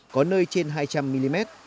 có nơi trên hai trăm linh mm